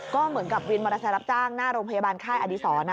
ก็เหมือนกับวินมรสารับจ้างหน้าโรงพยาบาลไข้อดีศร